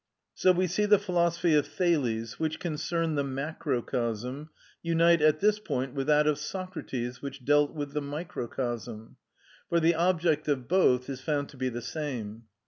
So we see the philosophy of Thales, which concerned the macrocosm, unite at this point with that of Socrates, which dealt with the microcosm, for the object of both is found to be the same.